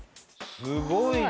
すごいな！